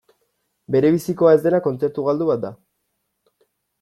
Berebizikoa ez dena kontzertu galdu bat da.